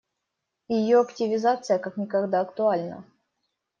И ее активизация как никогда актуальна.